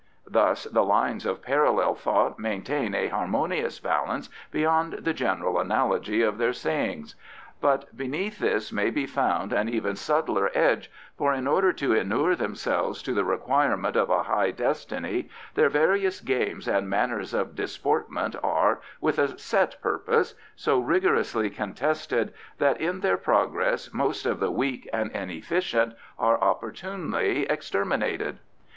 Thus the lines of parallel thought maintain a harmonious balance beyond the general analogy of their sayings; but beneath this may be found an even subtler edge, for in order to inure themselves to the requirement of a high destiny their various games and manners of disportment are, with a set purpose, so rigorously contested that in their progress most of the weak and inefficient are opportunely exterminated.